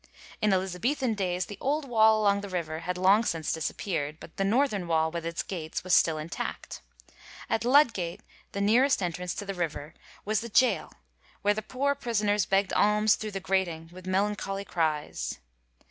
In Elizabethan days, the old wall along the river had long since disappeard, but the northern wall with its gates was still intact. At Lud gate, the nearest entrance to the river, was the gaol where the poor prisoners beggd alms thru the grating with melancholy cries.